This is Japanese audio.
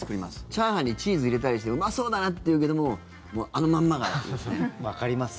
チャーハンにチーズ入れたりしてうまそうだなって言うけどもわかります。